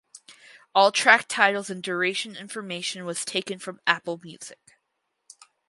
All track titles and duration information was taken from Apple Music.